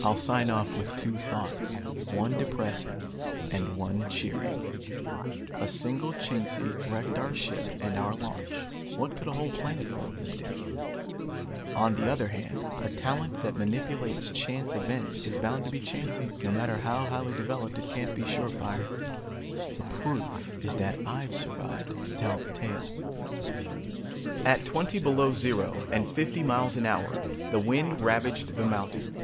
"I'll sign off with two thoughts, one depressing and one cheering. A single Chingsi wrecked our ship and our launch. What could a whole planetful of them do? "On the other hand, a talent that manipulates chance events is bound to be chancy. No matter how highly developed it can't be surefire. The proof is that I've survived to tell the tale." At twenty below zero and fifty miles an hour the wind ravaged the mountain.